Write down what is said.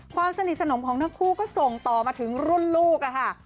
ความสนิทสนมของทั้งคู่ก็ส่งต่อมาถึงรุ่นลูกค่ะ